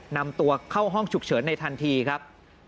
นำตัวเข้าห้องฉุกเฉินในทันทีครับ